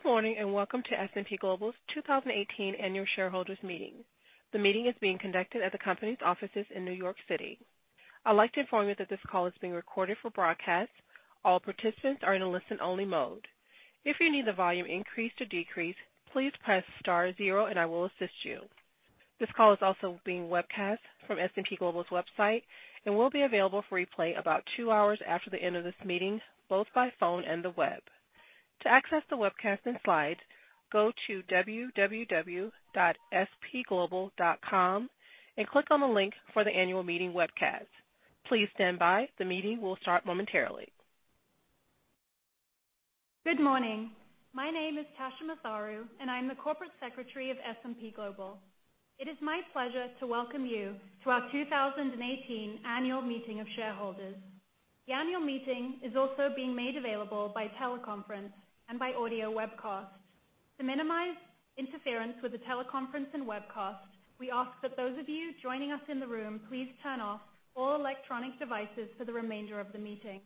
Good morning, welcome to S&P Global's 2018 annual shareholders' meeting. The meeting is being conducted at the company's offices in New York City. I'd like to inform you that this call is being recorded for broadcast. All participants are in a listen-only mode. If you need the volume increased or decreased, please press star zero and I will assist you. This call is also being webcast from S&P Global's website and will be available for replay about 2 hours after the end of this meeting, both by phone and the web. To access the webcast and slides, go to www.spglobal.com and click on the link for the annual meeting webcast. Please stand by. The meeting will start momentarily. Good morning. My name is Tasha Matharu, I'm the Corporate Secretary of S&P Global. It is my pleasure to welcome you to our 2018 annual meeting of shareholders. The annual meeting is also being made available by teleconference and by audio webcast. To minimize interference with the teleconference and webcast, we ask that those of you joining us in the room, please turn off all electronic devices for the remainder of the meeting.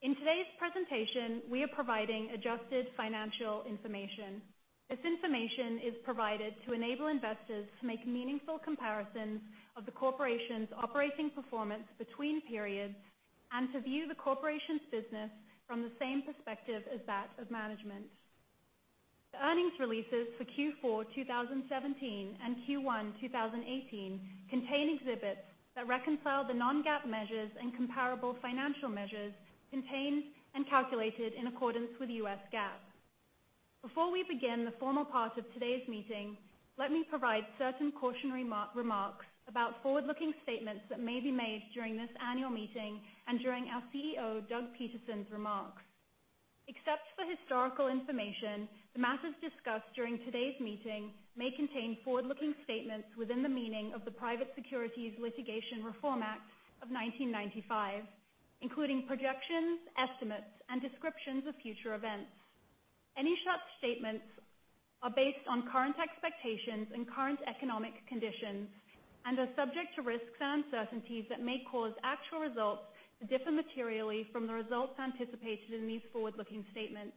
In today's presentation, we are providing adjusted financial information. This information is provided to enable investors to make meaningful comparisons of the corporation's operating performance between periods and to view the corporation's business from the same perspective as that of management. The earnings releases for Q4 2017 and Q1 2018 contain exhibits that reconcile the non-GAAP measures and comparable financial measures contained and calculated in accordance with US GAAP. Before we begin the formal part of today's meeting, let me provide certain cautionary remarks about forward-looking statements that may be made during this annual meeting and during our CEO, Doug Peterson's remarks. Except for historical information, the matters discussed during today's meeting may contain forward-looking statements within the meaning of the Private Securities Litigation Reform Act of 1995, including projections, estimates, and descriptions of future events. Any such statements are based on current expectations and current economic conditions and are subject to risks and uncertainties that may cause actual results to differ materially from the results anticipated in these forward-looking statements.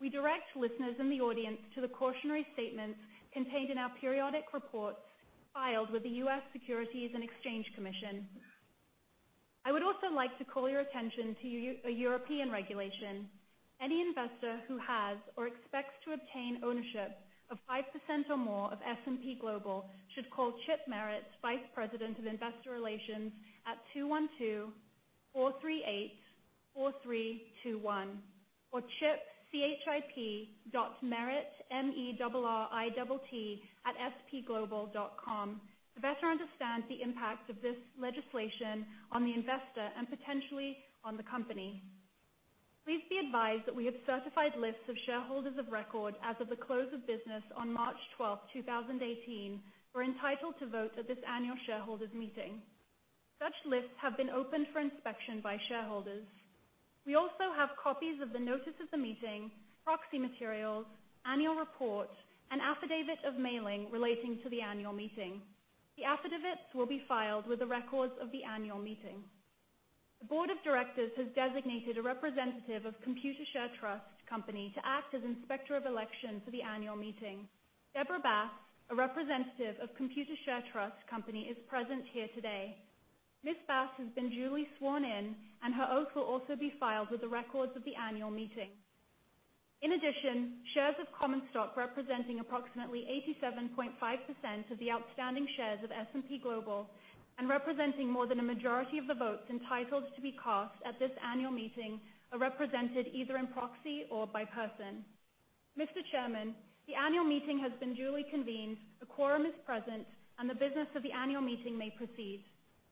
We direct listeners in the audience to the cautionary statements contained in our periodic reports filed with the U.S. Securities and Exchange Commission. I would also like to call your attention to a European regulation. Any investor who has or expects to obtain ownership of 5% or more of S&P Global should call Chip Merritt, Vice President of Investor Relations at 212-438-4321 or chip.merritt@spglobal.com to better understand the impact of this legislation on the investor and potentially on the company. Please be advised that we have certified lists of shareholders of record as of the close of business on March 12th, 2018, who are entitled to vote at this annual shareholders' meeting. Such lists have been opened for inspection by shareholders. We also have copies of the notice of the meeting, proxy materials, annual report, and affidavit of mailing relating to the annual meeting. The affidavits will be filed with the records of the annual meeting. The board of directors has designated a representative of Computershare Trust Company to act as inspector of election for the annual meeting. Debra Bass, a representative of Computershare Trust Company, is present here today. Ms. Bass has been duly sworn in, and her oath will also be filed with the records of the annual meeting. Shares of common stock representing approximately 87.5% of the outstanding shares of S&P Global and representing more than a majority of the votes entitled to be cast at this annual meeting are represented either in proxy or by person. Mr. Chairman, the annual meeting has been duly convened, a quorum is present, and the business of the annual meeting may proceed.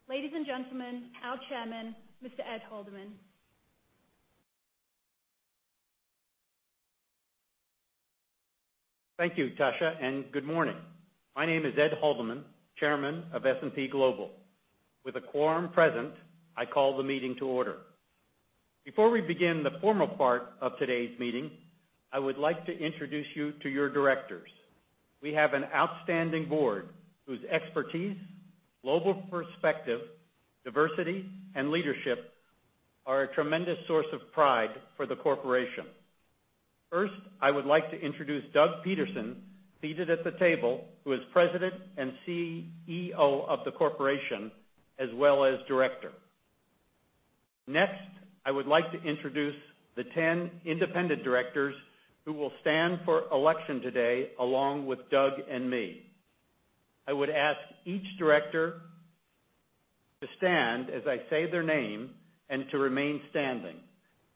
Ladies and gentlemen, our chairman, Mr. Ed Haldeman. Thank you, Tasha, good morning. My name is Ed Haldeman, Chairman of S&P Global. With a quorum present, I call the meeting to order. Before we begin the formal part of today's meeting, I would like to introduce you to your directors. We have an outstanding board whose expertise, global perspective, diversity, and leadership are a tremendous source of pride for the corporation. First, I would like to introduce Doug Peterson, seated at the table, who is President and CEO of the corporation, as well as Director. Next, I would like to introduce the 10 independent directors who will stand for election today along with Doug and me. I would ask each director to stand as I say their name and to remain standing.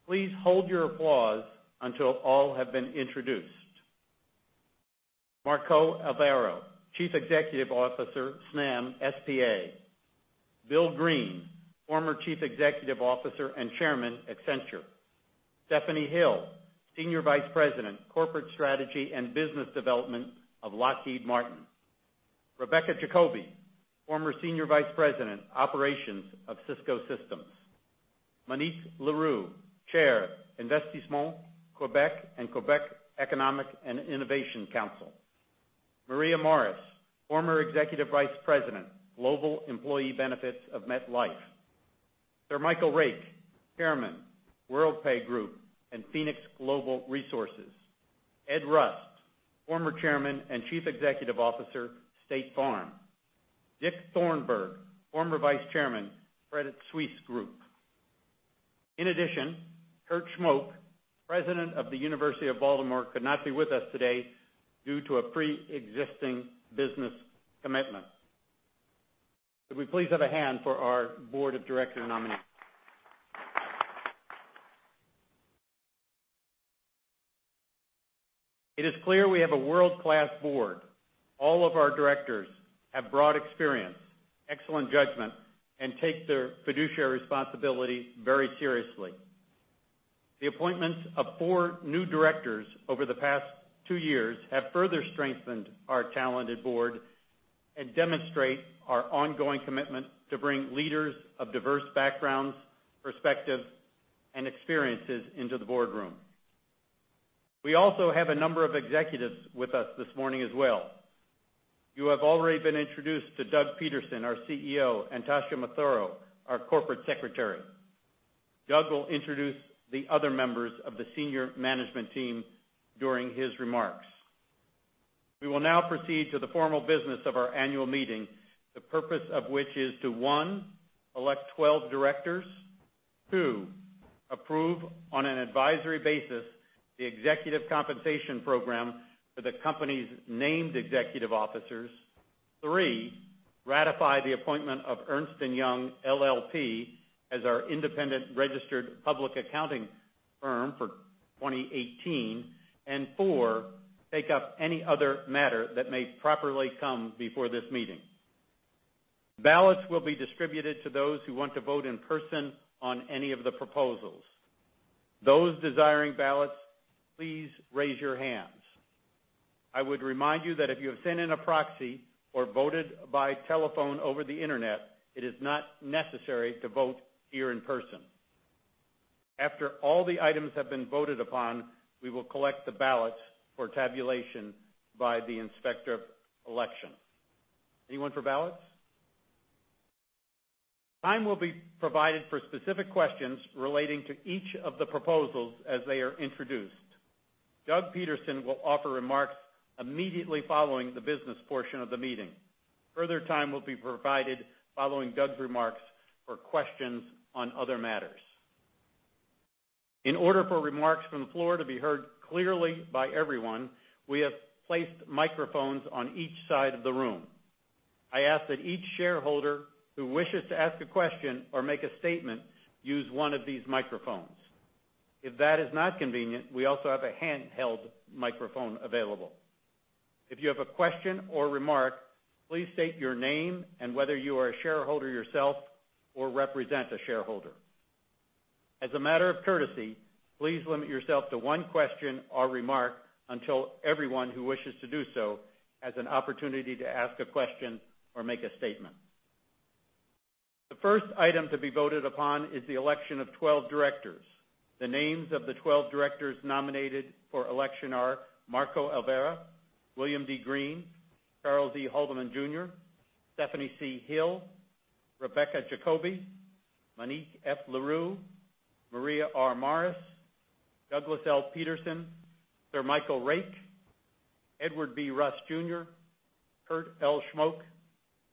Please hold your applause until all have been introduced. Marco Alverà, Chief Executive Officer, Snam S.p.A. Bill Green, former Chief Executive Officer and Chairman, Accenture. Stephanie Hill, Senior Vice President, Corporate Strategy and Business Development of Lockheed Martin. Rebecca Jacoby, former Senior Vice President, Operations of Cisco Systems. Monique Leroux, Chair, Investissement Québec, and Quebec Innovation Council. Maria Morris, former Executive Vice President, Global Employee Benefits of MetLife. Sir Michael Rake, Chairman, Worldpay Group plc and Phoenix Global Resources plc. Ed Rust, former Chairman and Chief Executive Officer, State Farm. Dick Thornburgh, former Vice Chairman, Credit Suisse Group AG. Kurt Schmoke, President of the University of Baltimore, could not be with us today due to a preexisting business commitment. Could we please have a hand for our board of director nominees? It is clear we have a world-class board. All of our directors have broad experience, excellent judgment, and take their fiduciary responsibility very seriously. The appointments of four new directors over the past two years have further strengthened our talented board and demonstrate our ongoing commitment to bring leaders of diverse backgrounds, perspectives, and experiences into the boardroom. We also have a number of executives with us this morning as well. You have already been introduced to Doug Peterson, our CEO, and Tasha Matharu, our Corporate Secretary. Doug will introduce the other members of the senior management team during his remarks. We will now proceed to the formal business of our annual meeting, the purpose of which is to, one, elect 12 directors. Two, approve on an advisory basis the executive compensation program for the company's named executive officers. Three, ratify the appointment of Ernst & Young LLP as our independent registered public accounting firm for 2018. Four, take up any other matter that may properly come before this meeting. Ballots will be distributed to those who want to vote in person on any of the proposals. Those desiring ballots, please raise your hands. I would remind you that if you have sent in a proxy or voted by telephone over the Internet, it is not necessary to vote here in person. After all the items have been voted upon, we will collect the ballots for tabulation by the Inspector of Election. Anyone for ballots? Time will be provided for specific questions relating to each of the proposals as they are introduced. Doug Peterson will offer remarks immediately following the business portion of the meeting. Further time will be provided following Doug's remarks for questions on other matters. In order for remarks from the floor to be heard clearly by everyone, we have placed microphones on each side of the room. I ask that each shareholder who wishes to ask a question or make a statement use one of these microphones. If that is not convenient, we also have a handheld microphone available. If you have a question or remark, please state your name and whether you are a shareholder yourself or represent a shareholder. As a matter of courtesy, please limit yourself to one question or remark until everyone who wishes to do so has an opportunity to ask a question or make a statement. The first item to be voted upon is the election of 12 directors. The names of the 12 directors nominated for election are Marco Alverà, William D. Green, Charles E. Haldeman Jr., Stephanie C. Hill, Rebecca Jacoby, Monique F. Leroux, Maria R. Morris, Douglas L. Peterson, Sir Michael Rake, Edward B. Rust Jr., Kurt L. Schmoke,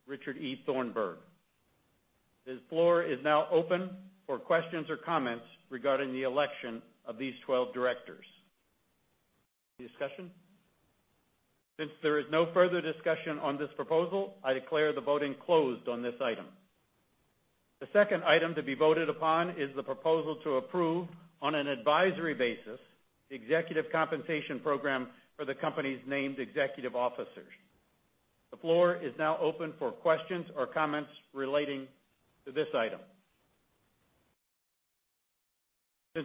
Richard E. Thornburgh. This floor is now open for questions or comments regarding the election of these 12 directors. Discussion? There is no further discussion on this proposal, I declare the voting closed on this item. The second item to be voted upon is the proposal to approve on an advisory basis the executive compensation program for the company's named executive officers. The floor is now open for questions or comments relating to this item.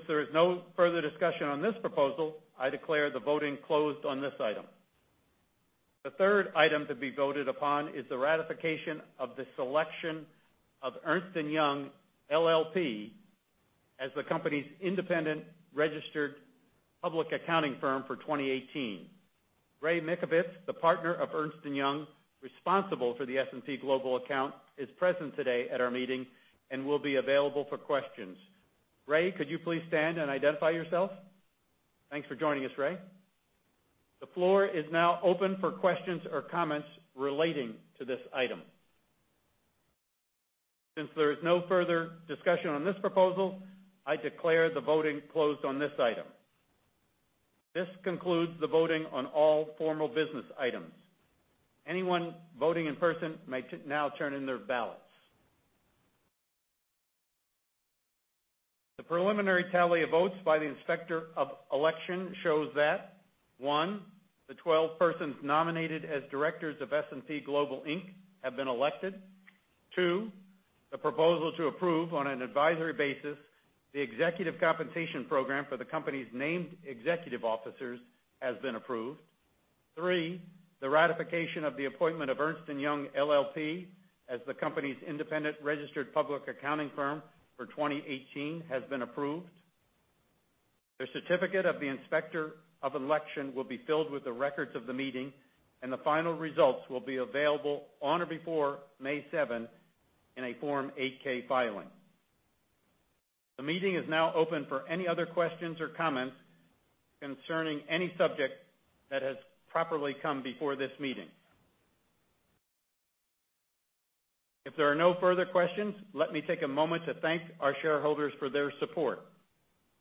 There is no further discussion on this proposal, I declare the voting closed on this item. The third item to be voted upon is the ratification of the selection of Ernst & Young LLP as the company's independent registered public accounting firm for 2018. Ray Mikovits, the partner of Ernst & Young responsible for the S&P Global account, is present today at our meeting and will be available for questions. Ray, could you please stand and identify yourself? Thanks for joining us, Ray. The floor is now open for questions or comments relating to this item. There is no further discussion on this proposal, I declare the voting closed on this item. This concludes the voting on all formal business items. Anyone voting in person may now turn in their ballots. The preliminary tally of votes by the Inspector of Election shows that, 1, the 12 persons nominated as directors of S&P Global Inc. have been elected. 2, the proposal to approve on an advisory basis the executive compensation program for the company's named executive officers has been approved. 3, the ratification of the appointment of Ernst & Young LLP as the company's independent registered public accounting firm for 2018 has been approved. The certificate of the Inspector of Election will be filed with the records of the meeting, the final results will be available on or before May 7th in a Form 8-K filing. The meeting is now open for any other questions or comments concerning any subject that has properly come before this meeting. If there are no further questions, let me take a moment to thank our shareholders for their support.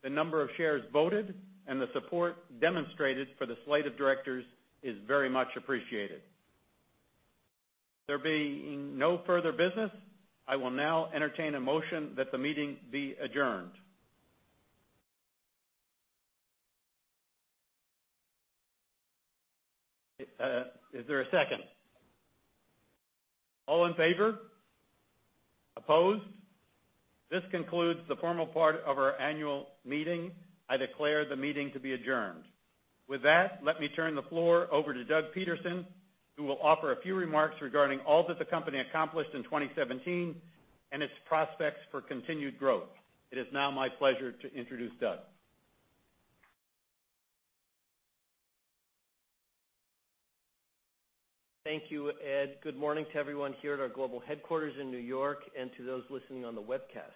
The number of shares voted and the support demonstrated for the slate of directors is very much appreciated. There being no further business, I will now entertain a motion that the meeting be adjourned. Is there a second? All in favor? Opposed? This concludes the formal part of our annual meeting. I declare the meeting to be adjourned. With that, let me turn the floor over to Doug Peterson, who will offer a few remarks regarding all that the company accomplished in 2017 and its prospects for continued growth. It is now my pleasure to introduce Doug. Thank you, Ed. Good morning to everyone here at our global headquarters in New York and to those listening on the webcast.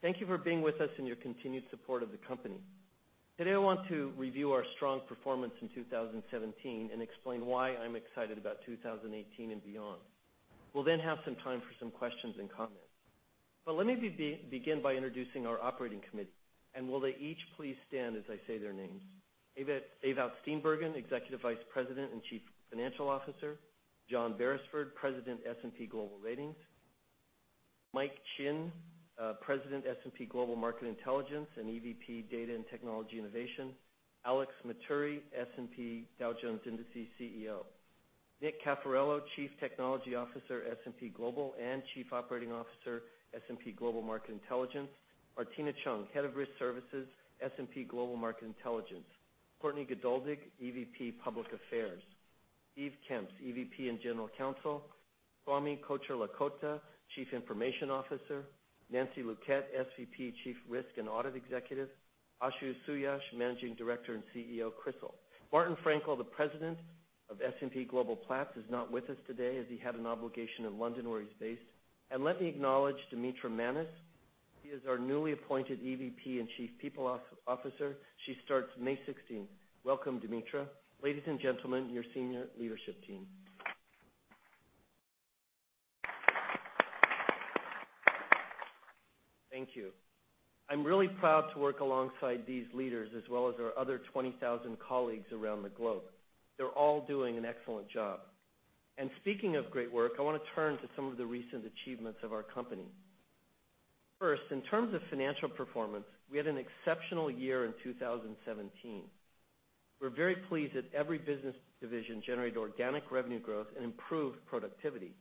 Thank you for being with us and your continued support of the company. Today I want to review our strong performance in 2017 and explain why I'm excited about 2018 and beyond. We'll have some time for some questions and comments. Let me begin by introducing our operating committee. Will they each please stand as I say their names. Ewout Steenbergen, Executive Vice President and Chief Financial Officer. John Berisford, President, S&P Global Ratings. Mike Chinn, President, S&P Global Market Intelligence and EVP, Data and Technology Innovation. Alexander Matturri, S&P Dow Jones Indices CEO. Nick Cafferillo, Chief Technology Officer, S&P Global, and Chief Operating Officer, S&P Global Market Intelligence. Martina Cheung, Head of Risk Services, S&P Global Market Intelligence. Courtney Geduldig, EVP, Public Affairs. Steve Kemps, EVP and General Counsel. Swamy Kocherlakota, Chief Information Officer. Nancy Luquette, SVP, Chief Risk and Audit Executive. Ashu Suyash, Managing Director and CEO, CRISIL. Martin Fraenkel, the President of S&P Global Platts, is not with us today as he had an obligation in London, where he's based. Let me acknowledge Dimitra Manis. She is our newly appointed EVP and Chief People Officer. She starts May 16th. Welcome, Dimitra. Ladies and gentlemen, your senior leadership team. Thank you. I'm really proud to work alongside these leaders as well as our other 20,000 colleagues around the globe. They're all doing an excellent job. Speaking of great work, I want to turn to some of the recent achievements of our company. First, in terms of financial performance, we had an exceptional year in 2017. We're very pleased that every business division generated organic revenue growth and improved productivity.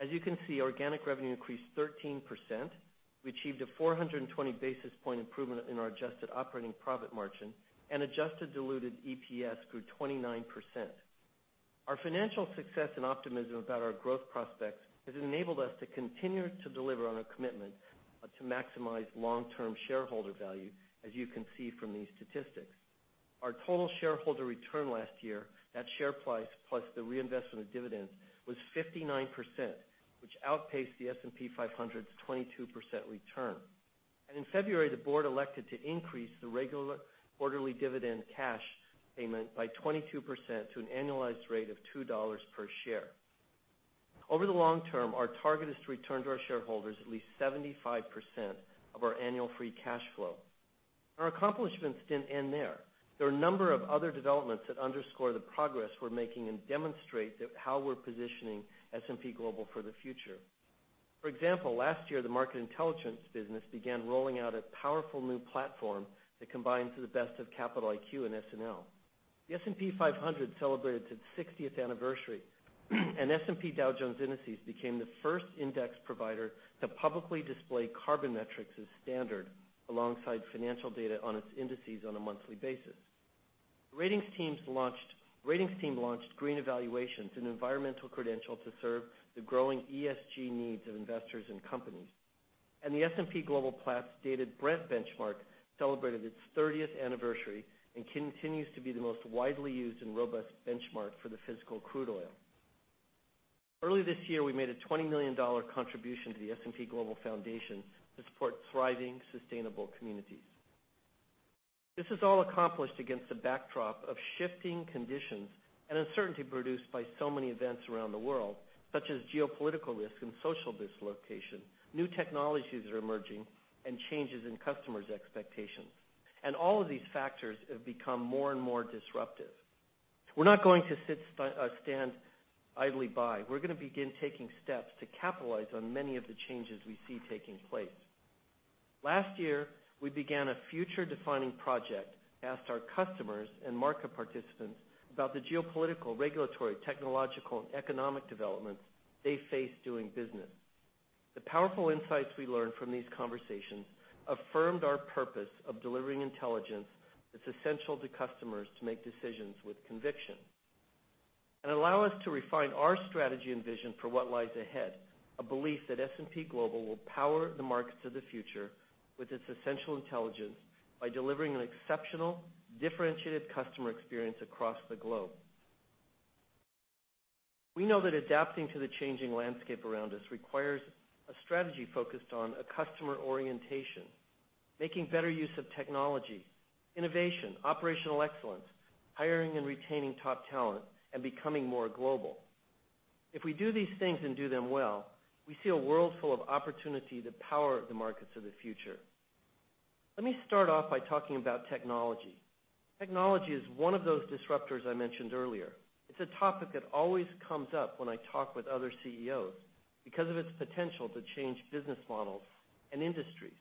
As you can see, organic revenue increased 13%. We achieved a 420 basis point improvement in our adjusted operating profit margin. Adjusted diluted EPS grew 29%. Our financial success and optimism about our growth prospects has enabled us to continue to deliver on a commitment to maximize long-term shareholder value, as you can see from these statistics. Our total shareholder return last year, net share price plus the reinvestment of dividends, was 59%, which outpaced the S&P 500's 22% return. In February, the board elected to increase the regular quarterly dividend cash payment by 22% to an annualized rate of $2 per share. Over the long term, our target is to return to our shareholders at least 75% of our annual free cash flow. Our accomplishments didn't end there. There are a number of other developments that underscore the progress we're making and demonstrate how we're positioning S&P Global for the future. For example, last year, the Market Intelligence business began rolling out a powerful new platform that combines the best of Capital IQ and SNL. The S&P 500 celebrated its 60th anniversary. S&P Dow Jones Indices became the first index provider to publicly display carbon metrics as standard alongside financial data on its indices on a monthly basis. Ratings team launched Green Evaluation, an environmental credential to serve the growing ESG needs of investors and companies. The S&P Global Platts Dated Brent benchmark celebrated its 30th anniversary and continues to be the most widely used and robust benchmark for the physical crude oil. Early this year, we made a $20 million contribution to the S&P Global Foundation to support thriving, sustainable communities. This is all accomplished against a backdrop of shifting conditions and uncertainty produced by so many events around the world, such as geopolitical risk and social dislocation, new technologies that are emerging, and changes in customers' expectations. All of these factors have become more and more disruptive. We're not going to stand idly by. We're going to begin taking steps to capitalize on many of the changes we see taking place. Last year, we began a future-defining project, asked our customers and market participants about the geopolitical, regulatory, technological, and economic developments they face doing business. The powerful insights we learned from these conversations affirmed our purpose of delivering intelligence that's essential to customers to make decisions with conviction. Allow us to refine our strategy and vision for what lies ahead, a belief that S&P Global will power the markets of the future with its essential intelligence by delivering an exceptional, differentiated customer experience across the globe. We know that adapting to the changing landscape around us requires a strategy focused on a customer orientation, making better use of technology, innovation, operational excellence, hiring and retaining top talent, and becoming more global. If we do these things and do them well, we see a world full of opportunity to power the markets of the future. Let me start off by talking about technology. Technology is one of those disruptors I mentioned earlier. It's a topic that always comes up when I talk with other CEOs because of its potential to change business models and industries.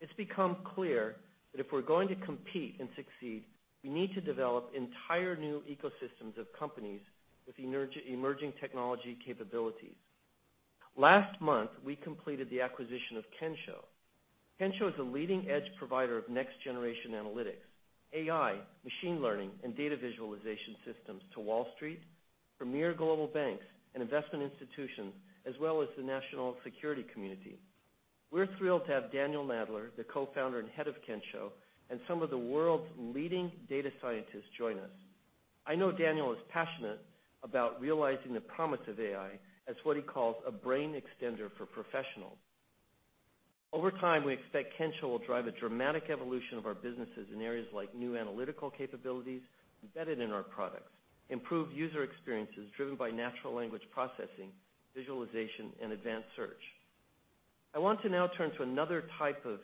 It's become clear that if we're going to compete and succeed, we need to develop entire new ecosystems of companies with emerging technology capabilities. Last month, we completed the acquisition of Kensho. Kensho is a leading-edge provider of next-generation analytics, AI, machine learning, and data visualization systems to Wall Street, premier global banks, and investment institutions, as well as the national security community. We're thrilled to have Daniel Nadler, the co-founder and head of Kensho, and some of the world's leading data scientists join us. I know Daniel is passionate about realizing the promise of AI as what he calls a brain extender for professionals. Over time, we expect Kensho will drive a dramatic evolution of our businesses in areas like new analytical capabilities embedded in our products, improved user experiences driven by natural language processing, visualization, and advanced search. I want to now turn to another type of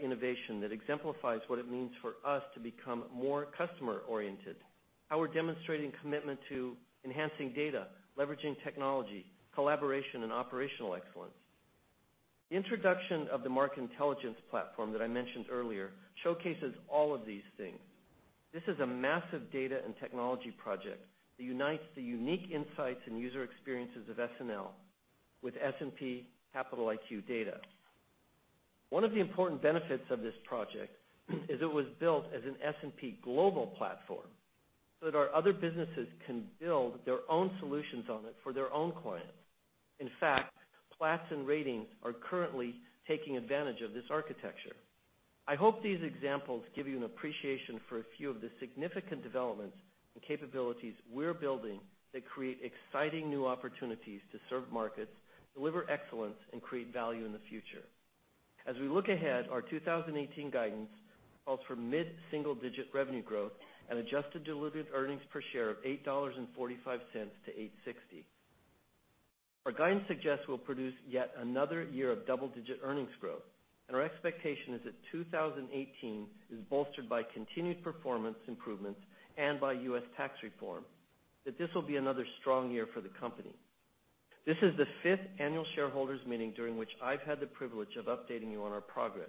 innovation that exemplifies what it means for us to become more customer-oriented, how we're demonstrating commitment to enhancing data, leveraging technology, collaboration, and operational excellence. The introduction of the market intelligence platform that I mentioned earlier showcases all of these things. This is a massive data and technology project that unites the unique insights and user experiences of SNL with S&P Capital IQ data. One of the important benefits of this project is it was built as an S&P Global platform so that our other businesses can build their own solutions on it for their own clients. In fact, Platts and Ratings are currently taking advantage of this architecture. I hope these examples give you an appreciation for a few of the significant developments and capabilities we're building that create exciting new opportunities to serve markets, deliver excellence, and create value in the future. As we look ahead, our 2018 guidance calls for mid-single-digit revenue growth and adjusted diluted earnings per share of $8.45-$8.60. Our guidance suggests we'll produce yet another year of double-digit earnings growth, and our expectation is that 2018 is bolstered by continued performance improvements and by U.S. tax reform, that this will be another strong year for the company. This is the fifth annual shareholders meeting during which I've had the privilege of updating you on our progress.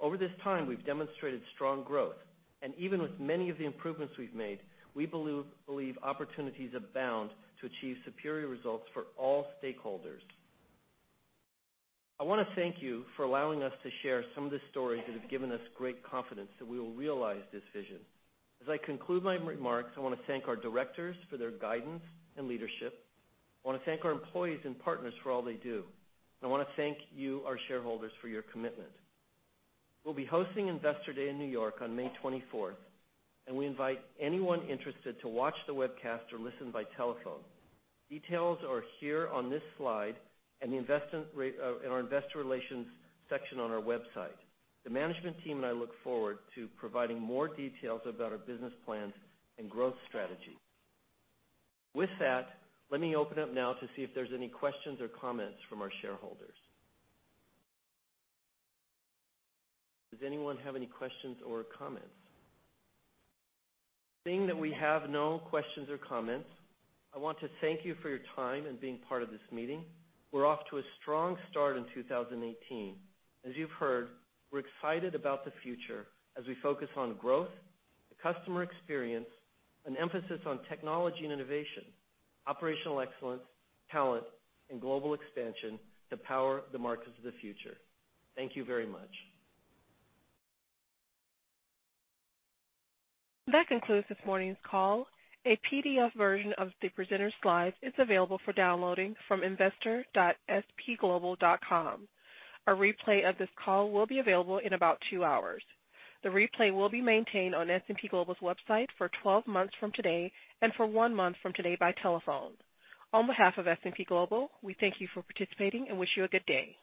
Over this time, we've demonstrated strong growth, and even with many of the improvements we've made, we believe opportunities abound to achieve superior results for all stakeholders. I want to thank you for allowing us to share some of the stories that have given us great confidence that we will realize this vision. As I conclude my remarks, I want to thank our directors for their guidance and leadership. I want to thank our employees and partners for all they do. I want to thank you, our shareholders, for your commitment. We'll be hosting Investor Day in New York on May 24th, and we invite anyone interested to watch the webcast or listen by telephone. Details are here on this slide and in our investor relations section on our website. The management team and I look forward to providing more details about our business plans and growth strategy. With that, let me open up now to see if there's any questions or comments from our shareholders. Does anyone have any questions or comments? Seeing that we have no questions or comments, I want to thank you for your time in being part of this meeting. We're off to a strong start in 2018. As you've heard, we're excited about the future as we focus on growth, the customer experience, an emphasis on technology and innovation, operational excellence, talent, and global expansion to power the markets of the future. Thank you very much. That concludes this morning's call. A PDF version of the presenter's slides is available for downloading from investor.spglobal.com. A replay of this call will be available in about two hours. The replay will be maintained on S&P Global's website for 12 months from today and for one month from today by telephone. On behalf of S&P Global, we thank you for participating and wish you a good day.